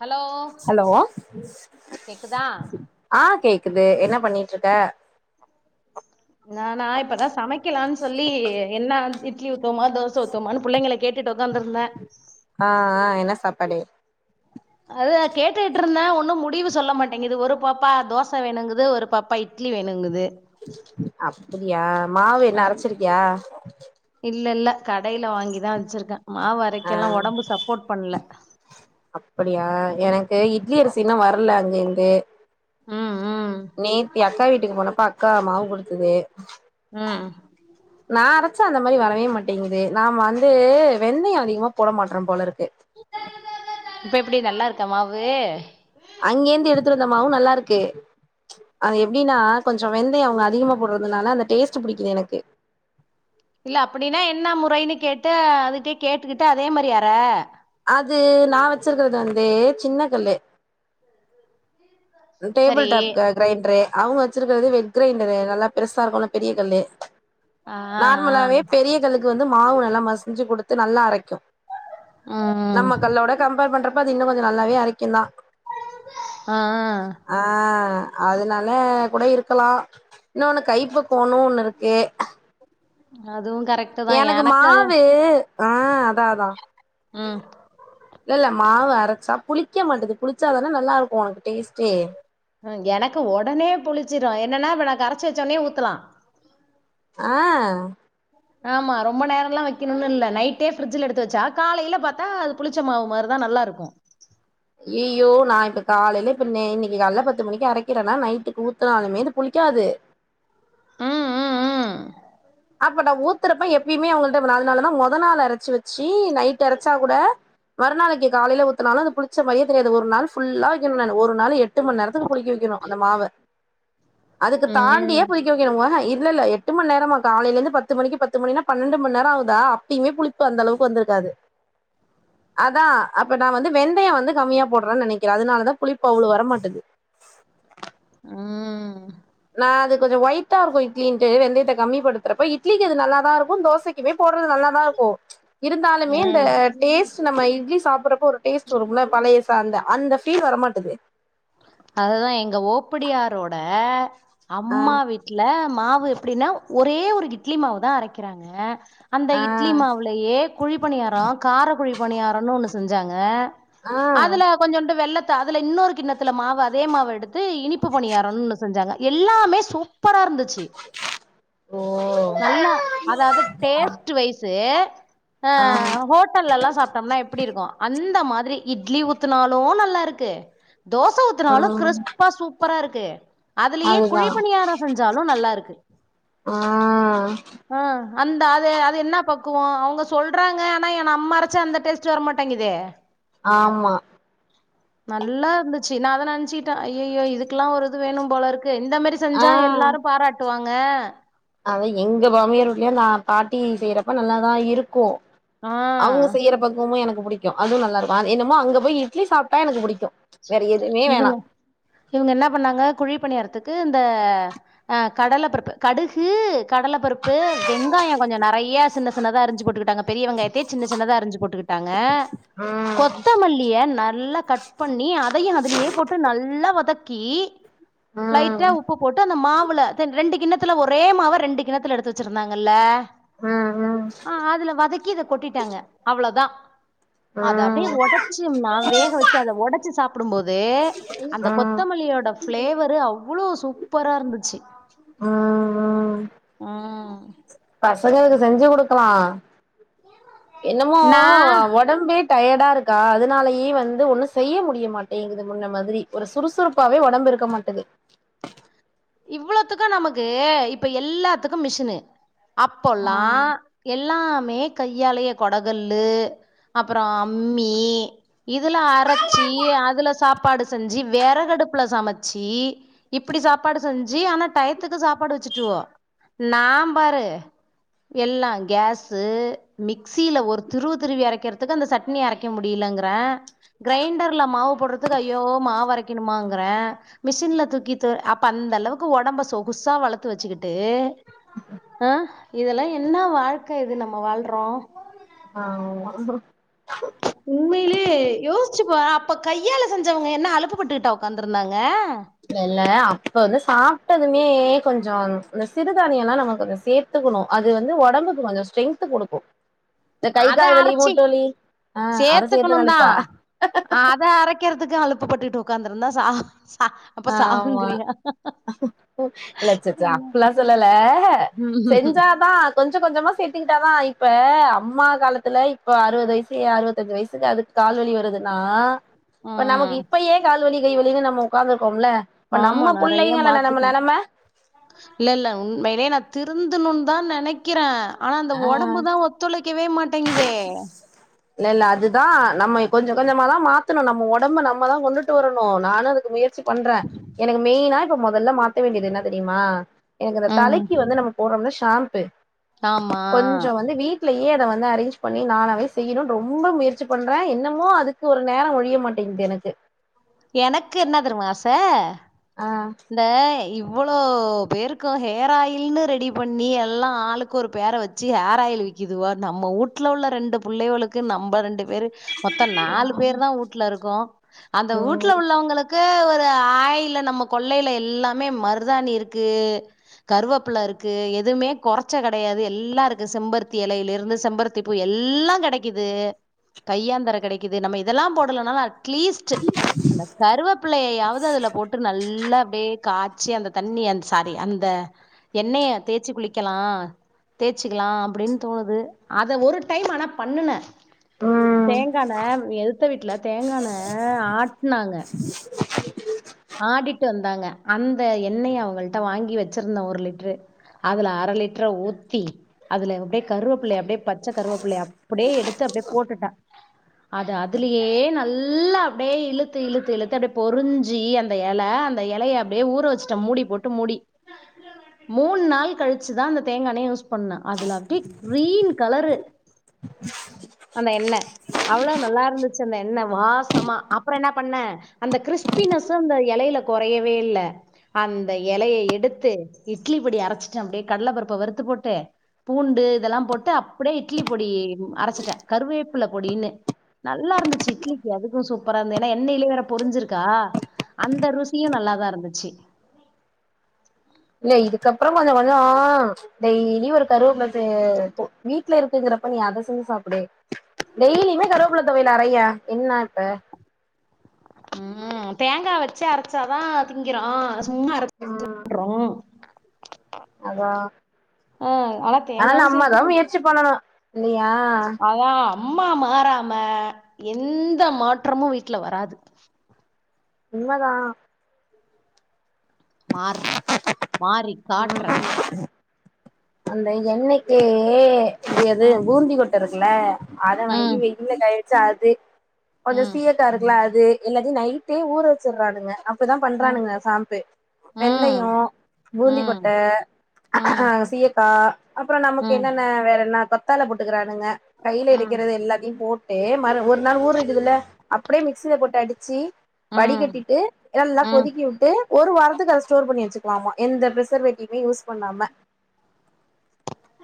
hello hello கேக்குதா ஆ கேக்குது என்ன பண்ணிட்டுருக்க நானா இப்பதா சமைக்கலான் சொல்லி என்னா இட்லி ஊத்துவோமா தோச ஊத்துவமானு புள்ளைங்கள கேட்டுட்டு உக்காந்துருந்தே ஆ ஆ என்ன சாப்பாடு அது கேட்டுட்டுருந்தே ஒன்னு முடிவு சொல்ல மாட்டேங்குது ஒரு பாப்பா தோச வேணுங்குது ஒரு பாப்பா இட் ட்லி வேணுங்குது அப்புடியா மாவு ஆ என்ன அரச்சிருக்கியா இல்ல இல்ல கடையில வாங்கிதா வச்சிருக்கே ஆ மாவரைக்கெல்லா ஒடம்பு சப்போட் பண்ணல அப்புடியா எனக்கு இட்லி அரிசன்னும் வரல அங்க இங்கு ம் ம் நேத்தி அக்கா வீட்டுக்கு போனப்ப அக்கா மாவு குடுத்தது ம் நா அரச்சா அந்த மாரி வரவே மாட்டேங்குது நாம் வந்து வெந்தய அதிகமா போட மாட்ற போல இருக்கு இப்ப எப்டி நல்லா இருக்கா மாவு அங்கே இருந்து எடுத்துட்டு வந்த மாவு நல்லாருக்கு அது எப்டினா கொஞ்சோ வெந்தய அவுங்க அதிகமா போடுறதுனால அந்த டேஸ்ட் புடிக்குது எனக்கு இல்ல அப்புடினா என்ன முறைன்னு கேட்டு அதுட்டய் கேட்டுக்கிட்டு அதே மேரி அர அது நா வச்சிருக்கறது வந்து சின்ன கல் சரி டேபுள் டாப் அ கிரைண்டுரு அவுங்க வச்சுருக்கிறது வெட் கிரைண்டரு நல்லா பெருசா இருக்குல பெரிய கல்லு ஆ ஆ நார்மலாவே பெரிய கல்லுக் கு வந்து மாவு நல்லா மசிஞ்சு குடுத்து நல்லா அரைக்கு ஆ நம்ம ம் கல்லோட கம்பேர் பண்றப்ப அது இன்னு கொஞ்ச நல்லாவே அரைக்குந்தா ஆ ஆ அதனால கூட இருக்கலா இன்னொன்னு கைப்பக்குவோன்னு ஒன்னு இருக்கு அதுவு கரெக்ட் எனக்கு மாவு ஆ அதா அதா ம் இல்லல்ல மாவு அரச்சா புளிக்க மாட்டது புளிச்சாதான நல்லாருக்கு உனக்கு டேஸ்ட்டே எனக்கு ஒடனே புளிச்சிரு என்னென்னா இப்ப நா கரைச்சி வச்சோன்னே ஊத்தலா ஆ ஆமா ரொம்ப நேரெல்லா வக்கணுன்னு இல்ல நைட்டே ஃபிரிட்ஜ்ல எடுத்து வச்சா காலைல பாத்தா அது புளிச்ச மாவு மாரிதா நல்லா இருக்கு யய்யோ நா இப்ப காலேல இப்ப நே இன்னைக்கு காலைல பத்து மணிக்கு அரக்கிறன்னா நைட்டுக்கு ஊத்துனாலுமே இது புளிக்காது ம் ம் ம் அப்ப நா ஊத்துறப்ப எப்பயுமே அவங்கள்ட அதனாலதா மொத நாள் அரச்சி வச்சு நைட் அரச்சா கூட மறுநாளைக்கு காலைல ஊத்துனாலு அது புளிச்ச மாயே தெரியாது ஒரு நாள் ஃபுல்லா வைக்கணு நானு ஒரு நாளு எட்டு மண்நேரத்துக்கு புளிக்கவைக்கனு அந்த மாவ அதுக்கு தாண்டியே ம் புளிக்க வைக்கணு அஹ இல்லல்ல எட்டு மண்நேரமா காலைலேந்து பத்து மணிக்கு பத்து மணினா பன்னெண்டு மண்நேர ஆவுதா அப்பயுமே புளிப்பு அந்தளவுக்கு வந்திருக்காது அதா அப்ப நா வந்து வெந்தய வந்து கம்மியா போடுறன்னு நினைக்கிற அதனாலதா புளிப்பு அவ்ளோ வர மாட்டது ம் நா அது கொஞ்சொ ஒயிட்டா இருக்கு இட்லின்ட்டு வெந்தயத்த கம்மிப்படுத்துறப்ப இட்லிக்கு அது நல்லாதா இருக்கு தோசை இவே போடுறது நல்லாதா இருக்கு இருந்தாலுமே இந்த டேஸ்ட் நம்ம இட்லி சாப்பிடுறப்ப ஒரு டேஸ்ட் வரும்ல பழைய அந்த அந்த ஃபீல் வர மாட்டது அததுதா எங்க ஓப்படியாரோட ஆ அம்மா வீட் ட்ல மாவு எப்படின்னா ஒரே ஒரு இட்லி மாவுதா அரைக்கிறாங்க அந்த ஆ இட்லி மாவுலயே குழிப்பணியார கார குழிப்பணியாரன்னு ஒன்னு செஞ்சாங்க ஆ அதுல கொஞ்சோண்டு வெல்லத்த அதுல இன்னொரு கிண்ணத் துல மாவு அதே மாவு எடுத்து இனிப்பு பணியாரன் செஞ்சாங்க எல்லாமே சூப் ப்பரா இருந்துச்சு ஓ நல்லா அதாது டேஸ்ட் வைஸ் ஆ ஹோட்டல்லல்லா சாப்ட்டோம்னா எப்டி இருக்கு அந்த மாதிரி இட்லி த்துனாலு நல்லா இருக்கு தோச ஊத்துனாலு ம் கிறிஸ்பா சூப்பரா இருக்கு அதுலயே அதுதா குழிப்பணியார செஞ்சாலு நல்லாருக்கு ஆ ஆ அந்த அது அது என்ன பக்குவோ அவங்க சொல்றாங்க ஆனா என் நம்ம அரைச்சா அந்த டேஸ்ட் டு வர மாட்டேங்குதே ஆமா நல்லாருந்த சி நா அதா நெனச்சிட்டே அய்யோ இதுக்கெல்லா ஒரு இது வேணு போல இருக்கு இந்த மாரி ஆ செஞ்சா எல்லாரு பாராட் டுவாங்க அத எங்க மாமியார் வீட்லயு தா பாட்டி செய்யறப்ப நல்லாதா இருக்கு ஆ அவங்க செய்யற பக்கவமு எனக்கு புடிக் க்கு அதுவு நல்லா இருக்கு என்னமோ அங்க போய் இட்லி சாப்ட்டா எனக்கு புடிக்கு வேற எது இவங்க இவங்க என்ன பண்ணாங்க குழி பணியாறத்துக்கு இந்த அ கடல பருப்பு கடுகு கடல பருப்பு வெங்காய கொஞ்ச நெறைய சின்ன சின்னதா அரிஞ்சு போட்டுகிட்டாங்க பெரியவெங்காயத்தயே சின்ன சின்னதா அறிஞ்சி போட்டுக்கிட்டாங்க ம் கொத்தமல் லிய நல்லா கட் பண்ணி அதையு அதுலயே போட்டு நல்லா வதக்கி லைட்டா உப்பு போட்டு அந்த மாவுல த ரெண்டு கிண்ணத் துல ஒரே மாவ ரெண்டு கிண்ணத்துல எடுத்து வச்சிருந்தாங்கல்ல ஆ அதுல வதக்கி இத கொட்டிட்டாங்க அவ்ளதா அத அப்டியே ஒடச்சிம்னா வேக வச்சு அதை ஒடச்சி சாப் ப்புடும் போது அந்த பசங்களுக்கு கொத்தமல்லியோட ஃப்ளேவரு அவ்ளோ சூப்பரா இருந்துச்சி ஆ ஆ ம் பசங்களுக்கு செஞ்சு கொடுக்கலா என்னமோ நா ஒட் ஒடம்பே டயடா இருக்கா அதனாலயே வந்து ஒன்னு செய்ய முடிய மாட்டேங்குது முன்ன மாதிரி ஒரு சுறுசுறுப்பாவே ஒடம்பு இருக்க மாட்டது இவ்ளத்துக்கு நமக்கு இப்ப எல்லாத்துக்கு மிஷினு அப்போல்லா எல்லாமே கையாலையே கொடகல்லு அப்பற அம்மி இதுல அரச்சி அதுல சாப்பாடு செஞ்சி வெறகடுப்புல சமச்சி இப்படி சாப்பாடு செஞ்சு ஆனா டயத்துக்கு சாப்பாடு வச்சுட்டுவோ நாம் பாரு எல்லா கேஸு மிக்சியில ஒரு திருவு திருவி அரைக்கிறதுக்கு அந்த சட்னி அரைக் க்க முடியலங்குற கிரைண்டர்ல மாவு போடுறதுக்கு ஐயோ மாவு அரைக்கணுமாங்குற மிஷின்ல தூக்கி அப் பந்த அளவுக்கு உடம்ப சொகுசா வளத்து வெச்சுக்கிட்டு ஆ இதெல்லா என்ன வாழ்க்க இது நம்ம வாழ்றோ ஆமா உண்மையிலே யோசிச்சு போ அப்ப கையால செஞ்சவங்க என்ன அலப்புப்பட்டுக்கிட்டா உக்காந்துருந்தாங்க வெள்ள அப்ப வந்து சாப்ட்டதுமே கொஞ்சம் சிறுதானியெல்லா நம கொஞ்சம் சேத் துக்கணு அது வந்து வொடம்புக்கு கொஞ்சம் ஸ்ட்ரென்த்து குடுக்கும் இந்த கை அத காால் வலி அரச்சி மூட்டு வலி ஆ அதசேத்து சேத்துக்கணுந்தா கழிப்பா அத அரைக் கிறதுக்கு அலப்புப்பட்டுகுட்டு உக்காந்துருந்தா சா அப்ப சாவுங்கிறியா இல்லச்சச்ச என்ன அப்பல்லா சொல்லல செஞ்சாதா கொஞ்ச கொஞ்சமா சேத்துக்கிட்டாதா இப்ப அம்மா காலத்துல இப்ப அறுவது வயசு ஏ அறுவத்தஞ்சு வயசுக்கு அது கால்வலி வருதுன்னா இப்ப நமக்கு ம் இப்பையே கால்வலி கை வலின்னு நம்ம உக்காந்துருக்கோமுல இப்ப ஆமா நம்ம புள்ளைங்கல நம்ம நெலம இல்லல்ல உண்மையிலே நா திருந்தணுன்னு தா நெனைக்கிறே ஆனா அந்த ஆ வொடம்பு தா ஒத்துழைக்கவே மாட்டங்கிதே இல்லல்ல அதுதா நம்ம கொஞ்சகொஞ்சமா தா மாத்தணு நம்ம வொடம்ப நம்ம தா கொண்டுட்டு வரணு நானு அதுக்கு முயற்ச் சி பண்றே எனக்கு மெயினா இப்ப மொதல்ல மாத்த வேண்டியது என்ன தெரியுமா எனக்கு அந்த ம் தலைக்கு வந்து நம்ம போட்றம்முல ஷாம்பு ஆமா கொஞ்ச வந்து வீட்லயே அத வந் து அரேஞ்ச் பண்ணி நானாவே செய்யணுனு ரொம்ப முயற்சி பண்றே என்னமோ அதுக்கு ஒரு நேரஃஒழிய மாட்டேங்குது எனக்கு எனக்கு என்ன தெருமா ஆச ஆ இந்த இவ்வளோ பேருக்கு ஹேர் ஆயில்னு ரெடி பண்ணி எல்லா ஆளுக்கு ஒரு பேர வெச் சிஹேர் ஆயில் விக்குதுவோ நம்ம ஊட்ல உள்ள ரெண்டு புள்ளைகளுக்கு நம்ப ரெண்டுபேரு மொத்தோ ஆ நாலு பேர் தா வூட்ல இருக்கோ அந்த வூட்ல ம் உள்ளவங்களுக் கு ஒரு ஆயில நம்ம கொள்ளையில எல்லாமே மருதாணி இருக்கு கருவேப்புல இருக்கு எதுவுமே கொறச்ச கெடையாது எல்லா இருக்கு செம்பருத்தி இலையில இருந்து செம்பருத் திப்பூ எல்லா கிடைக்குது கையாந்தர கெடைக்குது நம்ம இதெல்லா போடலனாலு அட்லீஸ்ட் அந்த கருவேப்பிள்ளையாவது அதுல போட்டு நல் லா காய்ச்சி அந்த தண்ணி அந்த சாரி அந்த எண்ணைய தேய்ச்சி குளிக்கலா தேய்சுக்கலா அப்டின்னு தோணுது அத ஒரு டைம் ஆனா பண்ணுன ம் தேங்காண எதுத்த வீட்டுல தேங்காண ஆட்னாங்க ஆடிட்டு வந்தாங்க அந்த எண்ணெய அவங்கள்ட்ட வாங்கி வெச்சிருந்த ஒரு லிட்ரு அதுல அர லிட்டர ஊத்தி அதுல அப்டியே கருவேப்பிள்ளய அப்டியே பச்ச கருவேப்பிள்ளை அப்புடியே எடுத்து அப்பேடியே போட்டுட்டே அது அதுலயே நல்லா அப்பிடியே இழுத்து இழுத்து இழுத்து அப்டியே பொறிஞ்சி அந் த எல அந்த எலையை அப்டியே ஊற வெச்சுட்ட மூடி போட்டு மூடி மூணு நாள் கழிச்சுதா அந்த தேங்கா எண்ரய யூஸ் பண்ணே அதுல அப்டியே கிரீன் கலரு அந்த எண்ண அவ்ளோ நல்லா இருந்துச்சி அந்த எண்ண வாசமா அப்புற என்னா பண்ண அந்த கிறிஸ்பினஸ் ஷு அந்த எலையில கொறையவே இல்ல அந்த எலைய எடுத்து இட்லிபொடி அரைச்சிட்டே அப்டியே கடல பருப்ப வறுத்து போட்டு பூண்டு இதெல்லா போட்டு அப்புடியே இட்லி பொடி அரைச்சிட்டே கருவேப்புள்ள பொடின்னு நல்லா இருந்துச்சு இட்லிக்கு அதுக்கு சூப்பரா இருநது ஏனா எண்ணயிலே வேற பொரிஞ்சிருக்கா அந்த ருசியு நல்லாதா இருந்துச்சி இல்ல இதுக்கப்புறம் கொஞ்சம் கொஞ்சம் டெய்லியும் ஒரு கருவேப்பிலை வீட்டுல இருக்குங்கிறப்ப நீ அதை செஞ்சு சாப்பிடு டெய்லியுமே கருவப்பிள்ளை தொவையல அரைங்க என்ன இப்ப உம் தேங்காய் வச்சு அரைச்சாதான் திங்கிறோம் சும்மா அரைச்சு ம் பண்றோம் அதான் ஆஹ் ஆனா தேங்காவும் சேர்க்கணும் பண்ணனும் இல்லையா அதான் அம்மா மாறாம எந்த மாற்றமும் வீட்டுல வராது உண்மை தான் மாறுறேன் மாறி ம் காட்டுறேன் அந்த எண்ணைய்க்கு எது ம் பூந்தி கொட்ட இருக்குல அத வாங்கி ம் வெயில் காய வச்சு அது கொஞ்சம் ம் சிரிய இருக்குள்ள அது எல்லாத்தையும் நைட்டே ஊற வச்சுட்டுறாங்க அப்டிதான் ம் பண்றானுங்க சாம்பு ம் வெந்தயம் பூந்தி ம் கொட்ட ம் அ ம் சீயக்கா அப்பறம் நமக்கு ம் என்னன்ன வேற என்ன கத்தால போட்டுக்கிறானுங்க கையில ம் எடுக்கிறது எல்லாத்தையும் போட்டா ஒரு நாள் ஊரி இருக்குதுல்ல அப்டியே மிக்சியில போட்டு அடிச்சு வடி கட்டிட்டு நல்லா ம் கொதிக்க விட்டு ஒரு வார அத ஸ்டோர் பண்ணி வச்சிக்கலாமா எந்த பிரிசர்வேட்டிமே யூஸ் பண்ணாம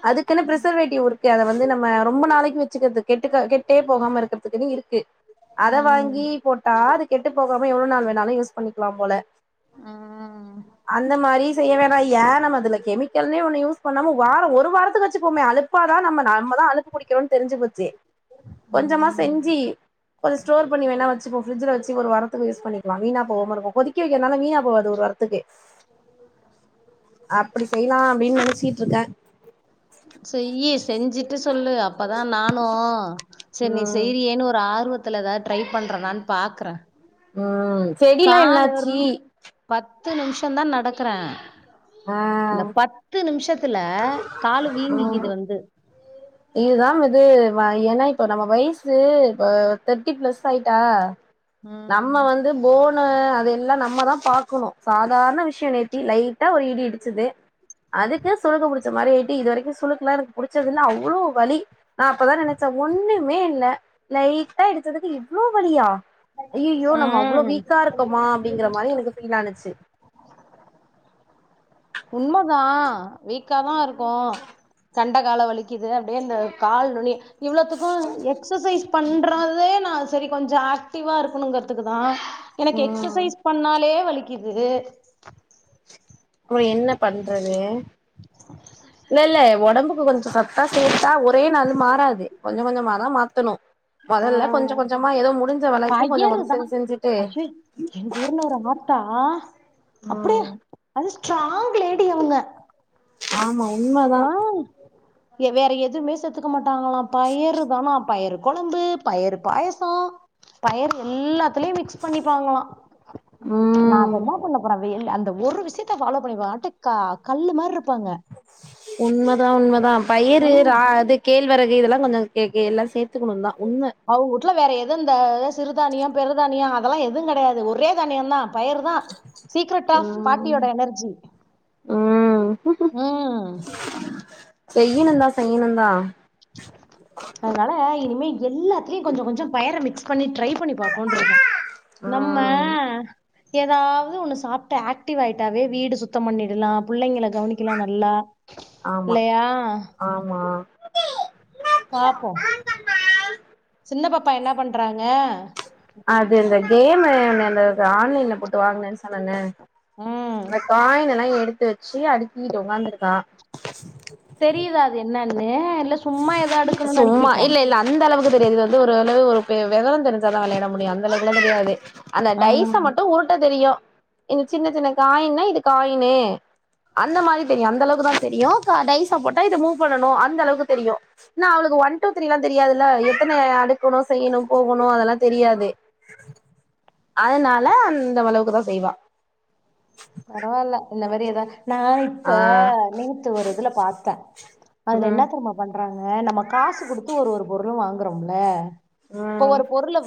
அதுக்குன்னு பிரிசர்வேட்டிவ் அத வந்து நம்ம ரொம்ப நாளைக்கு வச்சுக்கறது கெட்டுக்க கெட்டே போகாம இருக்கிறதுக்குன்னு இருக்கு அத ம் வாங்கி போட்டா அது கெட்டு போகாம எவ்வளவு நாள் வேணாலும் யூஸ் பண்ணிக்கலாம் போல ஆஹா அந்த மாதிரி செய்ய வேணா ஏன் நம்ம அதுல கெமிக்கல்னே ஒண்ணு யூஸ் பண்ணாம வார ஒரு வாரத்துக்கு வச்சு போமே அலப்பு அப்பாதா நம்ம நார்மலாதா அலுப்பு பிடிக்கிறோம்னு தெரிஞ்சு போச்சு கொஞ்சமா ம் செஞ்சு கொஞ்சம் ஸ்டோர் பண்ணி வேணா வெச்சுப்போம் ஃப்ரிஞ்ல வச்சு ஒரு வாரத்துக்கு யூஸ் பண்ணிக்கலாம் வீணா போகாம இருக்கும் கொதிக்க வைக்கிறதுனால வீணா போவாது ஒரு வாரத்துக்கு க்கு அப்டி செய்யலாம் அப்டின்னு நெனச்சட்டு இருக்கேன் செய்யி செஞ்சிட்டு சொல்லு அப்பதான் நானும் செரி நீ ம் செய்ரியேன்னு ஒரு ஆர்வத்துலதாவது ஏதாவது ட்ரை பண்றதான்னு பாக்குறேன் ம் செடிலா காலு ஒரு என்னாச்சு பத்து நிமிஷம் தான் நடக்குறேன் ஆ அந்த பத்து நிமிஷத்துல கால் ம் வீங்கிகறது வந்து இதுதா இது ஏன்னா இப்போ நம்ம வயசு இ தேர்ட்டி பிளஸ் ஆயிட்டா ம் நம்ம வந்து போனு அது எல்லா நம்மதான் பாக்கணும் சாதாரண விஷயம் நேத்தி லைட்டா ஒரு இடி இடிச்சுது அதுக்கு சுளுக்கு புடிச்ச மாதிரி ஆயிட்டு இது வரைக்கும் சுளுக்குலாம் எனக்கு புடிச்சது இல்ல அவ்ளோ வலி நான் அப்பதான் நினைச்சேன் ஒண்ணுமே இல்ல லைட்டா இடிச்சதுக்கு இவ்வளவு வலியா அய்யய்யோ நம்ம அவ்ளோ ம் வீக்கா இருக்கோமா அப்டிங்கிற மாதிரி எனக்கு ஃபீல் ஆனுச்சு உண்மை தான் வீக்காதான் இருக்கோம் கண்ட கால வலிக்குது அப்டியே இந்த கால் நுனி இவ்வளவுத்துக்கு ம் எக்சசைஸ் பண்றதே நான் செரி கொஞ்சம் ஆக்டிவா இருக்கணுங்கறதுக்கு தான் எனக்கு ம் எக்சசைஸ் பண்ணாலே வலிக்குது இப்போ என்ன பண்றது இல்ல இல்ல உடம்புக்கு கொஞ்சம் சத்தா சேர்த்தா ஒரே நாள் மாறாது கொஞ்ச கொஞ்சமாதான் மாத்தணும் ஆ மொதல்ல கொஞ்ச கொஞ்சமா ஏதோ முடிஞ்ச வரைக்கும் கொஞ்ச வயறுதா செஞ்சு செஞ்சுட்டு ஐயோ எங்க ஊர்ல ஒரு ஆத்தா அப்டியே ம் அது ஸ்ட்ராங் லேடி அவங்க ஆமா உண்மதா வேறு எதுவுமே சேத்துக்க மாட்டாங்களா பயரு தானா பயரு கொழம்பு பயரு பாயசோ பயரு எல்லாத்துலயு மிக்ஸ் பண்ணிப்பாங்களா ம் என்ன பண்ண போற அந்த ஒரு விஷயத்த ஃபாலோ பண்ணி பாரு அப்டயே கல்லு மாரி இருப்பாங்க உண்மதா உண்மதா பயரு ம் ரா கேழ்வரகு இதெல்லா கொஞ்ச கே எல்லா சேத்துக்கணுந்தா உண்ம அவங்க வூட்ல வேற எதுவு இந்த சிறுதானிய பெருதானிய அதெல்லா எதுவு கெடையாது ஒரு தானியந் க்ஷதா பயருதா சீக்ரட் ஆஃப் ம் பாட்டியோட எனர்ஜி ம் செய்யணு தா செய்யணு தா அதனால இனிமே எல்லாத்தையு கொஞ்ச கொஞ்ச பயர மிக்ஸ் பண்ணி ட்ரை பண்ணி பாக்கோனு இருக்கோ நம்ம ம் ஏதாவது ஒண்ணு சாப்பிட்டு ஆக்டிவ் ஆயிட்டாவே வீடு சுத்த பண்ணிடலா பிள்ளைங்கள கவனிக்கலா நல்லா ஆமா இல்லையா ஆமா பாப்போ சின்ன பாப்பா என்ன பண்றாங்க அது இந்த கேமு அந்த ஆன்லைன்ல போட்டு வாங்கனேன்னு சொன்னேன்னே ம் அந்த காயின எல்லா எடுத்து வெச்சு அடிக்கிட்டு உக்காந்துருக்கா தெரியுதா அது என்னன்னு இல்ல சும்மா ஏதோ அடுக்கணுன்னு சும்மா அடுக்கிட்டா இல்ல இல்ல அந்த அளவுக்கு தெரியாது வந்து ஒரு அளவு ஒரு விவரோ தெரிஞ்சாதா விளையாட முடியு அந்த அளவுக்குல்ல தெரியாது அந்த ஆ டைச மட்டு உருட்ட தெரியு இந்த சின்ன சின்ன காயின்னா இது காயின்னு அந்த மாரி தெரியு அந்த அளவுக்கு தா தெரியு டைசா போட்டா இத மூவ் பண்ணணு அந்த அளவுக்கு தெரியு ஏன்னா அவளுக்கு ஒன் டூ த்ரீ எல்லா தெரியாதுல்ல எத்தன அடுக்கணு செய்யணு போகணு அதெல்லா தெரியாது அதனால அந்த அளவுக்குதா செய்வா பரவால்ல இந்தமாரி ஏதா நா இப்ப ஆ நேத்து ஒரு இதுல பாத்தே அதுல என்ன ம் தெர்மா பண்றாங்க நம்ம காசு குடுத்து ஒரு ஒரு பொருளு வாங்கறோம்ல இப்ப ம் ஒரு பொருள வா